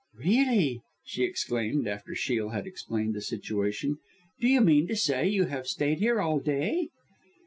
"Really!" she exclaimed, after Shiel had explained the situation. "Do you mean to say you have stayed here all day?"